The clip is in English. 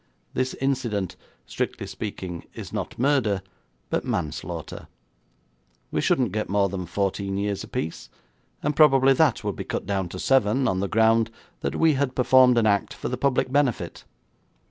This incident, strictly speaking, is not murder, but manslaughter. We shouldn't get more than fourteen years apiece, and probably that would be cut down to seven on the ground that we had performed an act for the public benefit.'